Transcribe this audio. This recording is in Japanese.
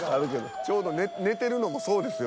ちょうど寝てるのもそうですよ